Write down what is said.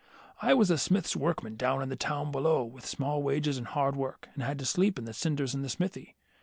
I was a smith's workman down in the town below, with small wages and hard work, and had to sleep in the cinders in the smithy.